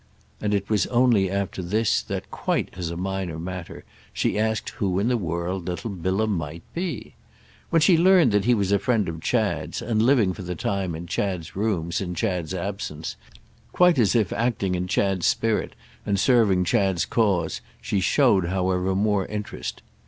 And it was only after this that, quite as a minor matter, she asked who in the world little Bilham might be. When she learned that he was a friend of Chad's and living for the time in Chad's rooms in Chad's absence, quite as if acting in Chad's spirit and serving Chad's cause, she showed, however, more interest.